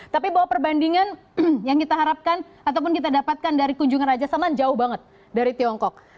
tapi bahwa perbandingan yang kita harapkan ataupun kita dapatkan dari kunjungan raja salman jauh banget dari tiongkok